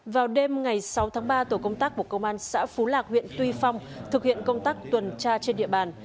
vào đêm ngày sáu tháng ba tổ công tác của công an xã phú lạc huyện tuy phong thực hiện công tác tuần tra trên địa bàn